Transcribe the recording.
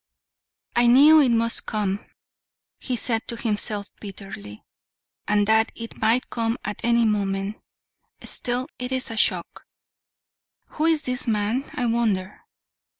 "I knew it must come," he said to himself bitterly "and that it might come at any moment. Still it is a shock. Who is this man, I wonder?